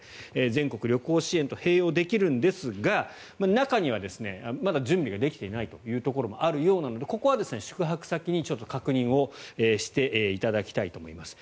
全国旅行支援と併用できるんですが中にはまだ準備ができていないところもあるようなのでここは宿泊先に確認をしていただきたいと思います。